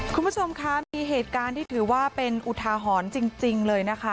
คุณผู้ชมคะมีเหตุการณ์ที่ถือว่าเป็นอุทาหรณ์จริงเลยนะคะ